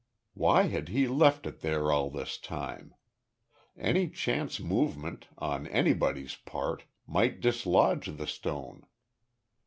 Why had he left it there all this time? Any chance movement, on anybody's part, might dislodge the stone.